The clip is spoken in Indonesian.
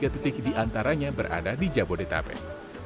empat ratus lima puluh tiga titik di antaranya berada di jabodetabek